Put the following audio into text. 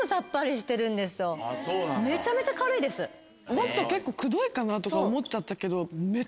もっと結構くどいかなとか思っちゃったけど。